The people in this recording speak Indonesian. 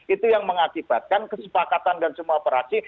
itu yang mengakibatkan kesepakatan dan semua operasi